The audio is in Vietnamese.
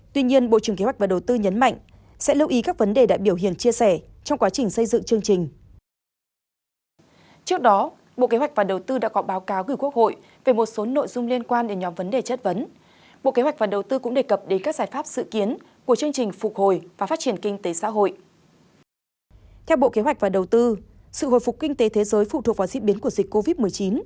theo bộ kế hoạch và đầu tư sự hồi phục kinh tế thế giới phụ thuộc vào diễn biến của dịch covid một mươi chín